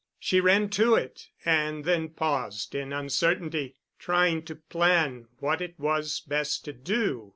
She ran to it and then paused in uncertainty, trying to plan what it was best to do.